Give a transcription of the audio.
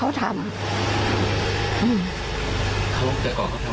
ไม่ไม่ไม่มีกับแม่ก็ไม่มีแต่ว่าเขาเขาทำ